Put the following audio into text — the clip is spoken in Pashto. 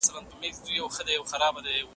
اداري فساد په جرګه کي څنګه مخنیوی کیږي؟